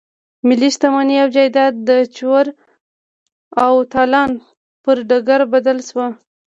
ملي شتمني او جايداد د چور او تالان پر ډګر بدل شو.